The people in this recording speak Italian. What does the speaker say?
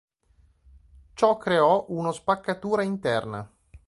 Ciò creò uno spaccatura interna.